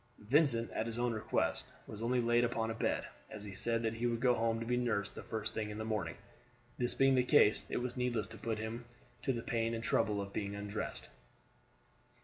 Vincent, at his own request, was only laid upon a bed, as he said that he would go home to be nursed the first thing in the morning. This being the case it was needless to put him to the pain and trouble of being undressed.